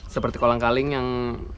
seperti kolang kaling yang